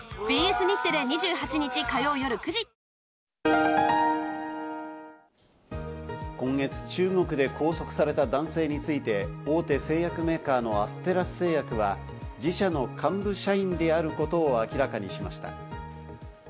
円相場は今月、中国で拘束された男性について、大手製薬メーカーのアステラス製薬は自社の幹部社員であることを明らかにしました。